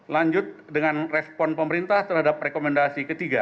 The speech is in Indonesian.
lanjut dengan respon pemerintah terhadap rekomendasi ketiga